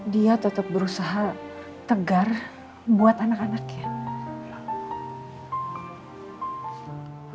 dia tetap berusaha tegar buat anak anaknya